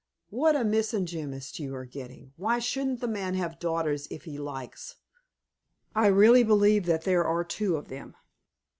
What a misogynist you are getting! Why shouldn't the man have daughters if he likes? I really believe that there are two of them."